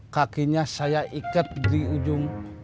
kakinya saya ikat di ujung